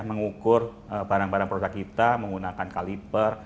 mengukur barang barang produk kita menggunakan kaliber